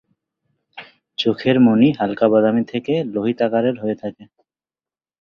চোখের মণি হালকা বাদামী থেকে লোহিত আকারের হয়ে থাকে।